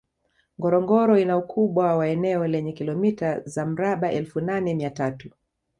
Ngorongoro ina ukubwa wa eneo lenye kilomita za mraba elfu nane mia tatu